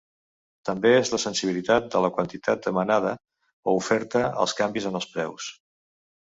També és la sensibilitat de la quantitat demanada o oferta als canvis en els preus.